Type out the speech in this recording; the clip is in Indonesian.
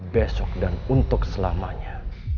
besok dan untuk selamanya